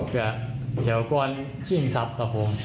เกิดชิงทรัพย์ครับผม